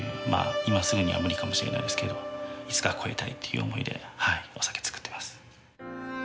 今すぐには無理かもしれないですけどいつか超えたいという思いでお酒造ってます。